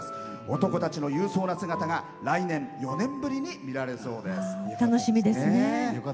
男たちの勇壮な姿が来年４年ぶりに楽しみですね。